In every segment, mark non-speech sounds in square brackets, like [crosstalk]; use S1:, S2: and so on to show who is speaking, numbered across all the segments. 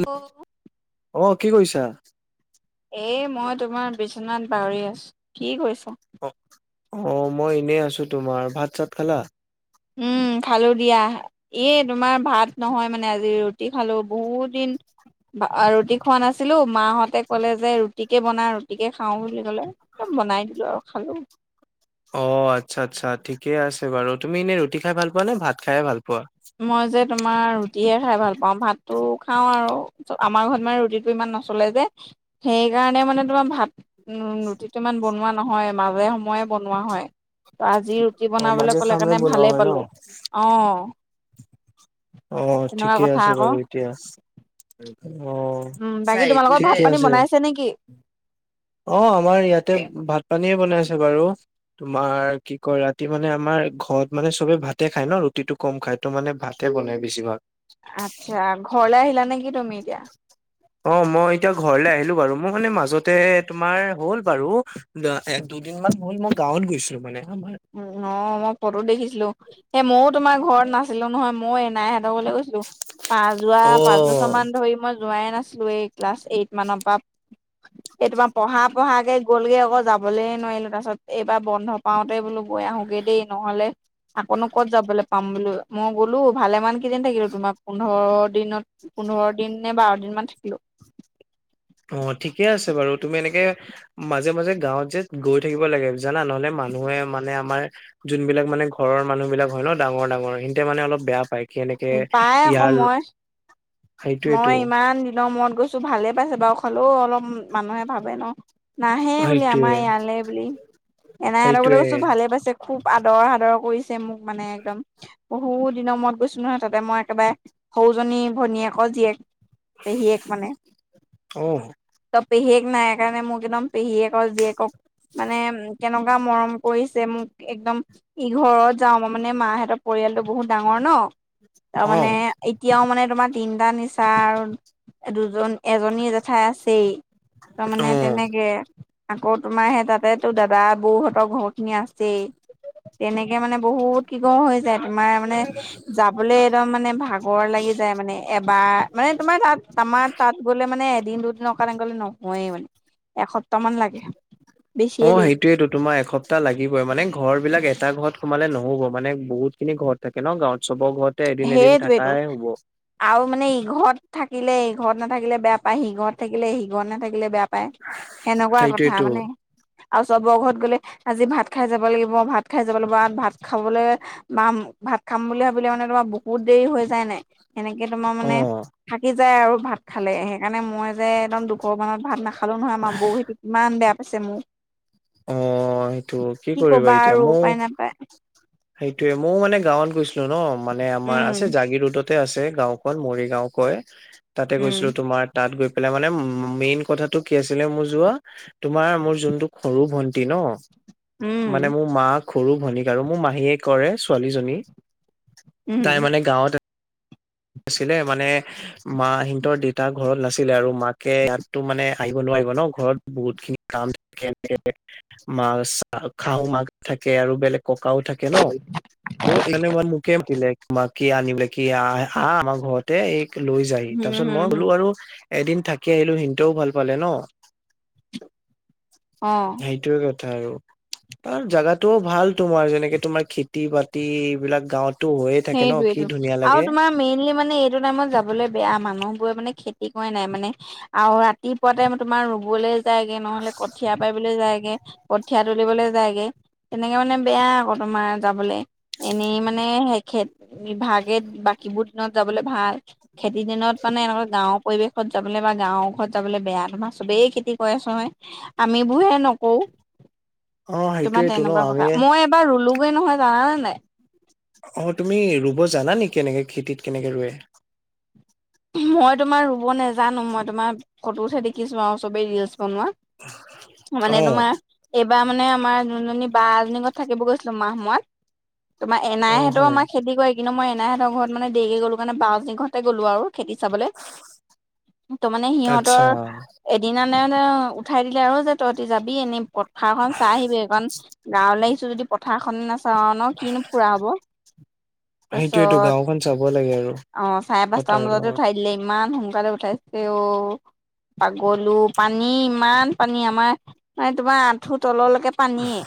S1: উম,
S2: এ
S1: অ কি কৰিছা?
S2: এই মই তোমাৰ বিচনাত বাগৰি আছো, কি কৰিছা?
S1: অ, অ মই এনেই আছো তোমাৰ, ভাত - চাত খালা?
S2: উম খালো দিয়া। এ তোমাৰ ভাত নহয় মানে আজি ৰুটি খালো বহুত দিন ভা ৰুটি খোৱা নাছিলো, মাহঁতে ক'লে যে ৰুটিকে বনা ৰুটিকে খাও বুলি কলে। এ বনাই দিলো আও খালো।
S1: অ আচ্ছা আচ্ছা ঠিকে আছে বাৰু তুমি এনেই ৰুটি খাই ভাল পোৱা নে ভাত খাইয়ে ভাল পোৱা?
S2: মই যে তোমাৰ ৰুটিহে খাই ভাল পাও, ভাতটো খাও আৰু [unintelligible] আমাৰ ঘৰত মানে ৰুটিটো ইমান ন চলে যে সেইকাৰণে মানে তোমাৰ ভাত উম ৰুটিটো ইমান বনোৱা নহয় মাজে সময়ে বনোৱা হয়। ত আজি ৰুটি
S1: অ
S2: বনাবলৈ
S1: মাজে
S2: ক'লে
S1: খামে
S2: কাৰণে
S1: বনোৱা
S2: ভালেই
S1: হয় ন
S2: পালো, অ।
S1: অ
S2: তেনেকুৱা
S1: ঠিকে
S2: কথা
S1: আছে
S2: আকৌ
S1: বাৰু এতিয়া চ অ', ঠিকে আছে।
S2: তেনেকেই।
S1: অ', আমাৰ ইয়াতে ভাত পানীয়ে বনাইছে বাৰু। তোমাৰ কি কয় ৰাতি মানে আমাৰ ঘৰত মানে চবে ভাতে খাই ন' ৰুটিটো ক'ম খাই। তো মানে ভাতে বনাই বেছিভাগ।
S2: আচ্ছা, ঘৰলে আহিলা নে কি তুমি এতিয়া?
S1: অ', মই এতিয়া ঘৰলে আহিলো বাৰু, মোৰ মানে মাজতে তোমাৰ হ'ল বাৰু এক দুদিনমান হ'ল মই গাঁৱত গৈছিলো মানে আমাৰ।
S2: উ, অ', মই ফটো দেখিছিলো, সেই ময়ো তোমাৰ ঘৰত নাছিলো নহয় ময়ো এনাই হঁতৰ ঘৰলৈ গৈছি লো, যোৱা
S1: অ
S2: পাঁচ বছৰ মান ধৰি মই যোৱাই নাছিলো এই ক্লাছ এইট মানৰ পৰা। এই তোমাৰ পঢ়া পঢ়াকে গ'লগে আকৌ যাবলে নোৱাৰিলো, তাৰ পিছত এইবাৰ বন্ধ পাওঁতে বোলো গৈ আহোগে দেই নহ'লে আকৌনো ক'ত যাবলৈ পাম বোলো, মই গ'লো ভালেমান কেইদিন থাকিলো, তোমাৰ পোন্ধৰ দিনত পোন্ধৰ দিন নে বাৰ দিন মান থাকিলো।
S1: অ', ঠিকে আছে বাৰু তুমি এনেকে মাজে মাজে গাঁৱত যে গৈ থাকিব লাগে জানা, নহ'লে মানুহে মানে আমাৰ যোনবিলাক মানে ঘৰৰ মানুহ বিলাক হয় ন' ডাঙৰ ডাঙৰ সিহতে মানে অলপ বেয়া পায়। কেনেকে
S2: পাই আকৌ
S1: ইয়াৰ
S2: মই
S1: সেইটোয়েতো
S2: মই ইমান দিনৰ মূৰত গৈছো ভালে পাইছে বাও, হ'লেও অলপ মানুহে ভাবে ন'! নাহে বুলি
S1: সেইটোয়ে
S2: আমাৰ ইয়ালে বুলি, এনাইহতৰ ঘৰলৈ
S1: সেইটোয়ে
S2: গৈছো ভালে পাইছে। খুব আদৰ-সাদৰ কৰিছে মোক মানে একদম। বহুত দিনৰ মূৰত গৈছিলো নহয় তাতে মই একেবাৰে, সৰুজনী ভনীয়েক ৰ জীয়েক, পেহীয়েক মানে।
S1: অ
S2: ত' পেহীয়েক নাই কাৰণে মোক একদম পেহীয়েকৰ জীয়েকক মানে কেন পুৰা মৰম কৰিছে মোক একদম। ইঘৰত যাওঁ মই মানে মাহঁতৰ পৰিয়ালটো বহুত ডাঙৰ ন'।
S1: অ
S2: তাৰমানে এতিয়াও মানে তোমাৰ তিনিটা নিচা আৰু দুজন এজনী জেঠাই আছেই। তাৰমানে
S1: অ
S2: তেনেকে। আকৌ তোমাৰ সেই তাতে তো দাদা বৌ হঁতৰ ঘৰ খিনি আছেই। তেনেকে মানে বহুত কিঘৰ হৈ যায় তোমাৰ মানে, যাবলৈ একদম মানে ভাগৰ লাগি যায় মানে। এবাৰ মানে তোমাৰ তাত আমাৰ তাত গ'লে মানে এদিন দুদিনৰ কাৰণে গ'লে নহয়েই মানে। এসপ্তাহ মান লাগে। বেছিয়ে
S1: অ',
S2: লাগিব
S1: সেইটোয়েতো তোমাৰ এসপ্তাহ লাগিবই, মানে ঘৰ বিলাক এটা ঘৰত সোমালে নহ'ব মানে বহুত খিনি ঘৰ থাকে ন' গাঁৱত চবৰ ঘৰতে এদিন এদিন
S2: সেইটোৱেইটো
S1: থাকাই হ'ব।
S2: আৰু মানে ইঘৰত থাকিলে ইঘৰত নাথাকিলে বেয়া পায় সিঘৰত থাকিলে সিঘৰত নাথাকিলে বেয়া পায়। পাই সেনেকুৱা কথা
S1: সেইটোয়েতো
S2: মানে। আৰু চবৰ ঘৰত গ'লে আজি ভাত খাই যাব লাগিব, ভাত খাই যাব লাগিব ভাত খাবলৈ বা ভাত খাম বুলি ভাবিলে মানে তোমাৰ বহুত দেৰি হৈ যায় নাই, সেনেকে তোমাৰ
S1: অ
S2: মানে থাকি যায় আৰু ভাত খালে, সেইকাৰণে মই যে একদম দুখৰ মানত ভাত নাখালো নহয় আমাৰ বৌ খেতি কিমান বেয়া পাইছে মোক।
S1: অ', সেইটো কি কৰিবা
S2: কবা
S1: এতিয়া,
S2: আৰু
S1: মোৰ
S2: উপায় নাপায়
S1: সেইটোয়ে ময়ও মানে গাঁৱত গৈছিলো ন' মানে আমাৰ আছে
S2: উম
S1: জাগি ৰোডত তাতে আছে গাঁওখন মৰিগাঁও কয়, তাতে গৈছিলো
S2: উম
S1: তোমাৰ। তাত গৈ পেলাই মানে মেইন কথাটো কি আছিলে মোৰ যোৱা, তোমাৰ মোৰ যোনটো সৰু ভন্টি ন, মানে
S2: উম
S1: মোৰ মাক সৰু ভনীক আৰু মোৰ মাহীয়ে কৰে ছোৱালীজনী
S2: উম
S1: তাই মানে গাঁৱতে আছিলে মানে মা হিন্তৰ দেতা ঘৰত নাছিলে আৰু মাকে ইয়াতটো মানে আহিব নোৱাৰিব ন, ঘৰত বহুত খিনি কাম [unintelligible] খাওঁ মাক থাকে আৰু বেলেগ ককাও থাকে ন, ত' [unintelligible] মোকে মাতি যাই মা আনিবলে [unintelligible] হা আমাৰ ঘৰতে এইক লৈ যায়
S2: হম
S1: তাৰপিছত মই
S2: হম হম
S1: গ'লো আৰু এদিন থাকি আহিলোঁ সিহঁতেও ভাল পালে ন'
S2: অ
S1: সেটোয়ে কথা আৰু। অ' আৰু জাগাটোও ভাল তোমাৰ যেনেকে তোমাৰ খেতি-বাতি এইবিলাক গাঁৱত টো হৈয়ে থাকে ন, কি
S2: সেইটোয়েটো
S1: ধুনীয়া
S2: আৰু
S1: লাগে।
S2: তোমাৰ মেইনলি মানে এইটো টাইমত যাবলৈ বেয়া মানুহবোৰে মানে খেতি কৰে নাই, মানে আৰু ৰাতিপুৱা টাইম তোমাৰ ৰুবলে যায়গে নহ'লে, কঠিয়া পাৰিবলৈ যায়গে। কঠীয়া তুলিবলৈ যায়গে তেনেকে মানে বেয়া আকৌ তোমাৰ যাবলে এনেই মানে খেত বিভাগে বাকীবোৰ দিনত যাবলে ভাল খেতিৰ দিনত মানে, এনেকুৱা গাঁৱৰ পৰিৱেশ ঘৰত যাবলে বা গাঁওৰ ঘৰত যাবলে বেয়া তোমাৰ চবেই খেতি কৈ আছোঁ নহয়। আমি বোৰহে নকওঁ
S1: অ
S2: তোমাৰ
S1: সেইটোয়েতো ন
S2: তেনেকুৱা কথা
S1: আমিয়ে
S2: মই এবাৰ ৰুলোগে নহয়, জানানে নাই?
S1: অ' তুমি ৰুব জানা নেকি কেনেকে খেতিত কেনেকে ৰুৱে?
S2: মই তোমাৰ ৰুব নেজানো মই তোমাৰ ফটোতহে দেখিছোঁ আৰু চবেই ৰিলচ বনোৱা। মানে
S1: অ
S2: তোমাৰ এইবাৰ মানে আমাৰ যোনজনী বা এজনীঘৰত থাকিব গৈছিলোঁ মাহ, মই তোমাৰ
S1: অ
S2: এনাইহেতেওঁ
S1: হয়
S2: আমাৰ খেতি কৰি কিন্তু মই এনাইহঁতৰ ঘৰত মানে দেৰিক গলোঁ কাৰনে বা [unintelligible] ঘৰতে গলোঁ আৰু। চাবলে ত' মানে
S1: আচ্ছা
S2: সিহঁতৰ এদিনা [unintelligible] উঠাই দিলে আৰু যে তইহঁতি যাবি এনেই পথাৰখন চাই আহিবি কাৰণ গাঁৱলে আহিছোঁ যদি পথাৰখন নাচাওঁ ন, কিনো ফুৰা হ'ব।
S1: সেইটোয়েতো
S2: তাছত
S1: গাঁওখন চাব লাগে আৰু
S2: অ' চাৰে পাঁচটামান
S1: পতাৰৰ
S2: বজাতে
S1: লগত
S2: উঠাই [unintelligible] ইমান সোনকালে উঠাইছে অ'। পাগলোঁ পানী ইমান পানী আমাৰ মানে তোমাৰ আঁঠু তলল একে পানীয়ে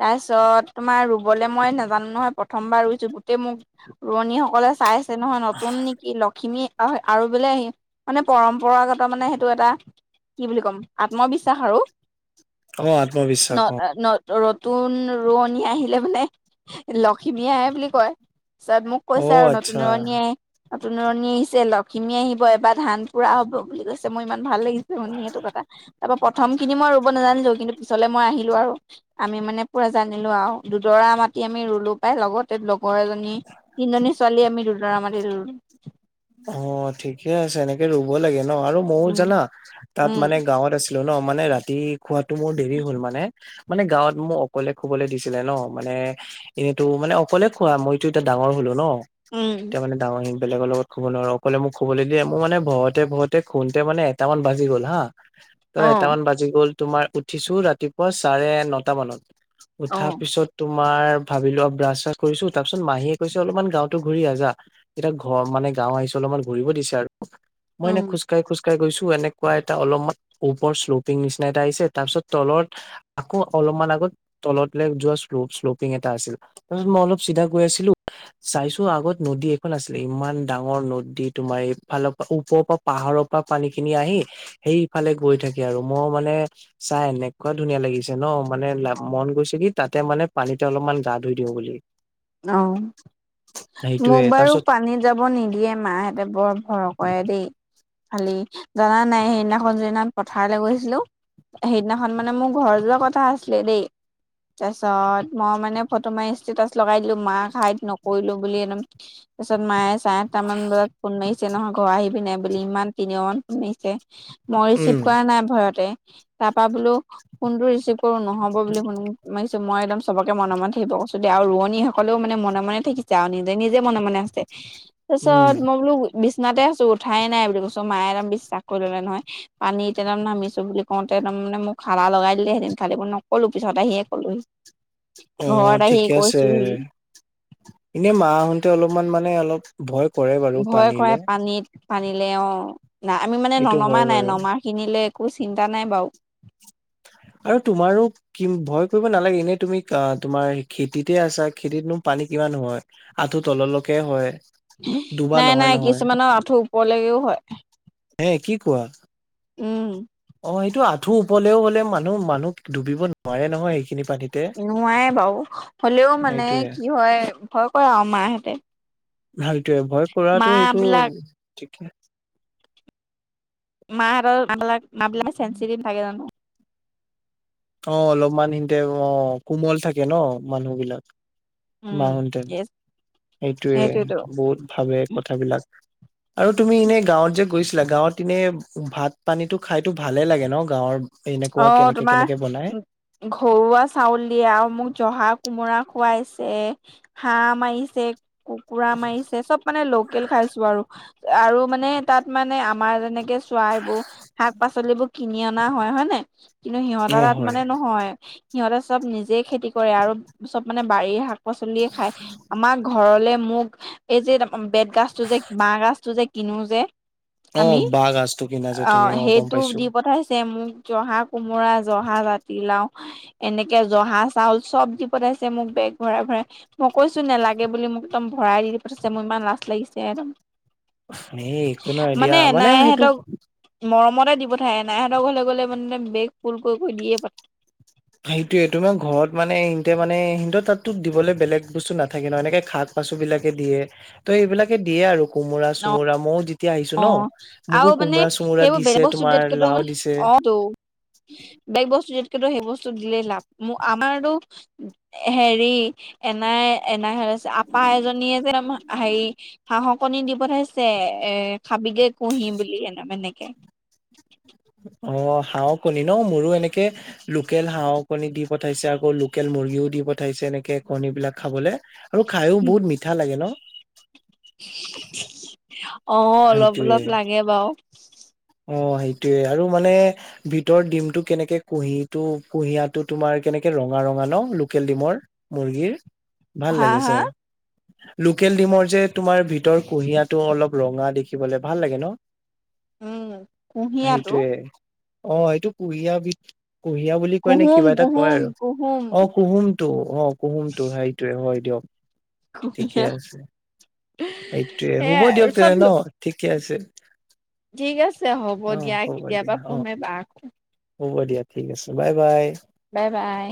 S2: তাইছ পিছত তোমাৰ ৰুবলে মই নেজানো নহয়, প্ৰথমবাৰ ৰুইছো গোটেই মোক ৰোৱনীসকলে চাইচ ছে নহয় নতুন নেকি লখিমী আৰু বোলে আহি মানে পৰম্পৰাগত মানে সেইটো এটা কি বুলি ক'ম আত্মবিশ্বাস আৰু
S1: অ আত্মবিশ্বাস অ
S2: [unintelligible] ৰতুন ৰোৱনী আহিলে মানে লখিমী আহে বুলি কয়, [unintelligible]
S1: অ
S2: কৈছে আৰু নতুন
S1: আচ্ছা
S2: ৰোৱনীয়ে নতুন ৰোৱনী আহিছে লখিমী আহিব এবাৰ ধান পুৰা হ'ব বুলি কৈছে ছে মই ইমান ভাল লাগিছে শুনি সেইটো কথা তাৰ পা প্ৰথম খিনি মই ৰুৱ [unintelligible] নাজানিলোঁ কিন্তু পিছলে মই আহিলোঁ আৰু আমি মানে পুৰা জানিলোঁ আৰু দুদৰা মাতি আমি ৰুলোঁ পাই লগতে লগৰ এজনী, তিনিজনী ছোৱালী আমি দুদৰা মাতি ৰুলোঁ।
S1: অ' ঠিকে আছে এনেকে ৰুব লাগে ন, আৰু ময়ও
S2: উম
S1: জানা তাত মানে
S2: উম
S1: গাঁৱত আছ ন, মানে ৰাতি খোৱাটো মোৰ দেৰি হ'ল মানে মানে গাঁৱত মোক অকলে শুবলে দিছিলে ন' মানে এনেতো মানে অকলে শোৱা, মইতো এতিয়া ডাঙৰ হ'লো ন।
S2: উম,
S1: এতিয়া মানে ডাঙৰ হৈ বেলেগৰ লগত খুব নোৱাৰো অকলে মোক শুবলৈ দিয়ে মোৰ মানে ভয়তে ভয়তে শুওতে মানে এটামান বাজি গ'ল হা তই
S2: অ
S1: এটামান বাজি গ'ল তোমাৰ উঠিছো ৰাতিপুৱা চাৰে নটা মানত
S2: অ
S1: উঠাৰ পিছত তোমাৰ ভাবি লোৱা ব্ৰাছ চাছ কৰিছো তাৰপিছত মাহীয়ে কৈছে অলপমান গাঁওতো ঘূৰি আ যা এতিয়া ঘৰ মানে গাঁও আহিছো অলপমান ঘূৰিব দিছে আৰু মই
S2: উম
S1: এনে খোজকঢ়া খোজকাঢ়ি খোজকাঢ়ি গৈছো এনেকুৱা এটা অলপমান ওপৰৰ শ্লোপিং নিচিনা এটা আহিছে তাৰপিছত তলত আকৌ অলপমান আগত তলত যোৱা শ্লপ শ্লোপিং এটা আছিল তাৰপিছত মই অলপ চিধা গৈ আছিলো চাইছো আগত নদী এখন আছিলে ইমান ডাঙৰ নদী তোমাৰ এইফালৰ পৰা ওপৰৰ পৰা পাহাৰৰ পৰা পানী খিনি আহি সেই ফালে গৈ থাকে আৰু মই মানে চাই এনেকুৱা ধুনীয়া লাগিছে ন মানে ল মন গৈছে কি তাতে মানে পানীতে অলপমান গা ধুই দিওঁ বুলি [inaudible]
S2: অ
S1: সেইটোয়ে
S2: মোক বাৰু
S1: তাৰপিছত
S2: পানীত যাব নিদিয়ে মাহেতে বৰ ভয় কৰে দেই ভালেই জানা নে নাই সেইদিনাখন যিদিনা পথাৰলৈ গৈছিলো সেইদিনাখন মানে মোৰ ঘৰ যোৱা কথা আছিলে দেই তাৰপিছত মই মানে ফটো মাৰি ষ্টেটাচ লগাই দিলো মাক হাইত নকৰিলো বুলি একদম তাৰপিছত মায়ে চাৰে আঠটা মান বজাত ফোন মাৰিছে নহয় ঘৰ আহিবি নাই বুলি ইমান তিনিও ইমান ফু আহিছে মই
S1: উম
S2: ৰিচিভ কৰা নাই ভয়তে তাৰ পৰা বোলো ফোন টো ৰিচিভ কৰো নহ'ব বুলি শুনি মাৰিছো মই একদম চবকে মনে মন থাকিব কৈছো দে আৰু ৰ নি সকলেও মানে মনে মনে থাকিছে আৰু নিজে নিজে মনে মনে আছে
S1: উম
S2: তাৰপিছত মই বোলো বিচনাতে আছো উঠাই নাই বুলি কৈছো মায়ে একদম বিশ্বাস কৰি ললে নহয় পানী তলত নামিছো বুলি কওঁতে একদম মে মোক খালা লগাই দিলে হেতেন খালি এইবোৰ নকলো পিছত আহিয়ে কলোহি
S1: [inaudible] অ
S2: ঘৰত আহি
S1: ঠিকে আছে
S2: কৈছোহি
S1: এনে মা আহুতে অলপমান মানে অলপ ভয় কৰে বাৰু
S2: ভয় কৰে
S1: পানীলৈ
S2: পানীত পানীলে অ না আমি মানে
S1: এইটো
S2: ননমা
S1: হয়
S2: নাই
S1: বাৰু
S2: নমা খিনিলে একো চিন্তা নাই বাৰু
S1: আৰু তোমাৰো কি ভয় কৰিব নালাগে এনেই তুমি তোমাৰ খেতিতে আছা খেতিতনো পানী কিমান হয় আঠু তললৈকে হয় ডুবা
S2: নাই
S1: নহয়
S2: নাই
S1: নহয়
S2: কিছুমানৰ আঁঠুৰ ওপৰলৈকেও হয়
S1: হে কি কোৱা
S2: উম
S1: অ সেইটো আঁঠু ওপৰলেও হ'লে মানুহ মানুহ ডুবিব নোৱাৰে নহয় সেইখিনি পানীত।
S2: নোৱাই বাৰু হ'লেও মানে
S1: সেইটোয়ে
S2: কি হয় ভয় কৰে আৰু মাহঁতে
S1: সেইটোৱে ভয়
S2: মা
S1: কৰাটো সেইটো
S2: বিলাক
S1: ঠিকে
S2: মাহত নামবাক নামাবিলাক চেনচিটিভ থাকে জানো
S1: অ অলপমান সিহতে অ কোমল থাকে ন মানুহ বিলাক
S2: উম, ইয়েচ
S1: সেইটোৱে বহুত ভাবে কথাবিলাক আৰু তুমি এনেই গাঁৱত যে গৈছিলা গাঁৱত এনে ভাত পানীটো খাইতো ভালে লাগে ন গাঁৱৰ এনেকুৱা
S2: অ',
S1: কেনেকে
S2: তোমাৰ
S1: কেনেকে বনাই
S2: ঘৰুৱা চাউল দিয়ে আৰু মোক জহা কোমোৰা খুৱাইছে হাম মাৰিছে কুকুৰা মাৰিছে চব মানে লোকেল খাইছো আৰু আৰু মানে তাত মানে আমাৰ যেনেকে চোৱা এইবোৰ শাক-পাচলিবোৰ কিনি অনা হয় হয় নে? কিন্তু
S1: অ
S2: সিহঁতৰ তাত
S1: হয়।
S2: মানে নহয়, সিহঁতে চব নিজে খেতি কৰে আৰু চব মানে বাৰীৰ শাক শাক-পাচলিয়ে খায়। আমাৰ ঘৰলে মোক এই যে বেত গাছটো যে বাঁহ গাছটো যে কিনো যে
S1: অ
S2: আমি
S1: বাঁহ গাজটো কিনা যে তুমি
S2: অ'
S1: গম
S2: সেইটো
S1: পাইছো
S2: দি পঠাইছে মোক। জহা কোমোৰা, জহা জাতিলাও এনেকে জহা চাউল চব দি পঠাইছে মোক বেগ ভৰাই ভৰাই। মই কৈছো নেলাগে বুলি মোক একদম ভৰাই দি পঠাইছে। মোৰ ইমান লাজ লাগিছে একদম।
S1: সেই একো নহয় দিয়া মানে সেইটো
S2: মৰমতে দি পঠায়। এনাইহঁতৰ ঘৰলে গ'লে মানে বেগ ফুল কৰি কৰি দিয়ে পঠায়।
S1: সেইটোৱেইটো তোমাৰ ঘৰত মানে সিহঁতৰ মানে সিহঁতৰ তাততো দিবলে বেলেগ বস্তু নাথাকে ন' এনেকে শাক পাচোবিলাকে দিয়ে, ত' এইবিলাকে দিয়ে আৰু কোমোৰা,
S2: অ'
S1: চোমোৰা মই
S2: অ' আৰু মানে সেইবোৰ
S1: দিছে
S2: বেলেগ বস্তু
S1: তোমাৰ
S2: দিয়াতকেটো
S1: লাও দিছে
S2: অ' টো। বেগ বস্তু দিয়াতকেতো সেই বস্তু দিলেই লাপ আমাৰতো আমাৰটো হেৰি এনাই এনাইহে ওলাইছে। আপা এজনীয়ে যে হেৰি হাঁহৰ কণী দি পঠাইছে এ খাবিগে কুঁহি বুলি এনেকে এনেকে।
S1: অ' হাঁহৰ কণী ন' মোৰো এনেকে লোকেল হাঁহৰ কণী দি পঠাইছে আকৌ লোকেল মুৰ্গীও দি পঠাইছে, এনেকে কণী বিলাক খাবলে। আৰু খাইও বহুত মিঠা লাগে ন'।
S2: অ' অলপ
S1: সেইটোয়ে
S2: অলপ লাগে বাৰু।
S1: অ' সেইটোৱে আৰু মানে ভিতৰ ডিমটো কেনেকে কুহিটো, কুহিয়াটো তোমাৰ কেনেকে ৰঙা, ৰঙা ন' লোকেল ডিমৰ। মুৰ্গীৰ ভাল
S2: হা হা
S1: লাগিছে। লোকেল ডিমৰ যে তোমাৰ ভিতৰ কুহিয়াটো অলপ ৰঙা দেখিবলৈ ভাল লাগে ন'।
S2: উম। কুঁহিয়াটো
S1: সেইটোয়ে অ' এইটো কুহিয়াবিধ কুহিয়া বুলি কৈ নে
S2: কুহুম
S1: কিবা এটা কয়
S2: কুহুম
S1: আৰু
S2: কুহুম
S1: অ' কুহুমটো অ' কুহুমটো সেইটোৱে হয় দিয়ক। ঠিকে
S2: কুঁহিয়া
S1: আছে, সেইটোৱে হ'ব
S2: সেয়াই আৰু
S1: দিয়ক
S2: চব
S1: তেনেহ'লে ন' ঠিকে আছে।
S2: ঠিক আছে হ'ব
S1: অ
S2: দিয়া।
S1: হ'ব দিয়া
S2: কেতিয়াবা
S1: অ
S2: ফোন মাৰিবা আকৌ।
S1: হ'ব দিয়া ঠিক আছে বাই বাই।
S2: Bye bye.